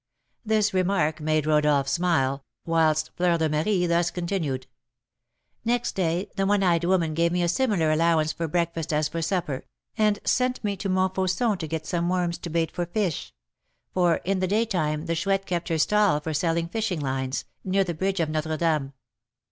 '" This remark made Rodolph smile, whilst Fleur de Marie thus continued: "Next day the one eyed woman gave me a similar allowance for breakfast as for supper, and sent me to Montfauçon to get some worms to bait for fish; for in the daytime the Chouette kept her stall for selling fishing lines, near the bridge of Notre Dame.